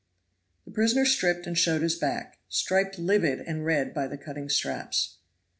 The prisoner stripped and showed his back, striped livid and red by the cutting straps.